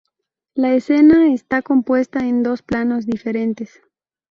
La escena está compuesta en dos planos diferentes.